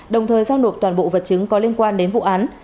đồng thời giao nộp toàn bộ vật chứng có liên quan đến vụ án